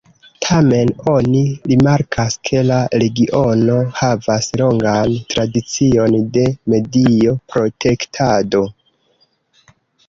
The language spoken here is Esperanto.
Tamen oni rimarkas ke la regiono havas longan tradicion de medio-protektado.